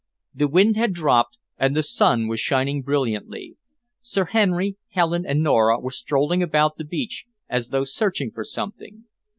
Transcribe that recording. The wind had dropped, and the sun was shining brilliantly. Sir Henry, Helen, and Nora were strolling about the beach as though searching for something.